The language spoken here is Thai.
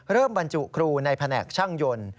บรรจุครูในแผนกช่างยนต์